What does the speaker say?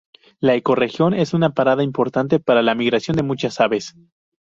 La ecorregión es una parada importante para la migración de muchas aves.